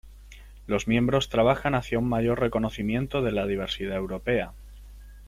Los miembros trabajan hacia un mayor reconocimiento de La diversidad europea.